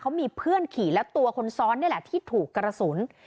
เขามีเพื่อนขี่และตัวคนซ้อนนี่แหละที่ถูกกระสุน